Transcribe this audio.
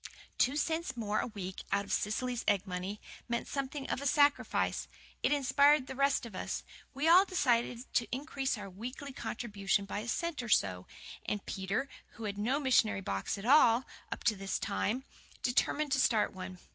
Two cents more a week out of Cecily's egg money, meant something of a sacrifice. It inspired the rest of us. We all decided to increase our weekly contribution by a cent or so. And Peter, who had had no missionary box at all, up to this time, determined to start one.